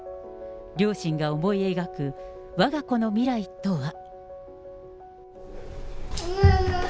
両親が思い描くわが子の未来とは。